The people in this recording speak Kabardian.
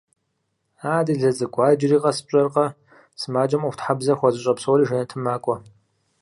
– А делэ цӀыкӀу, ар иджыри къэс пщӀэркъэ: сымаджэм Ӏуэхутхьэбзэ хуэзыщӀэ псори жэнэтым макӀуэ.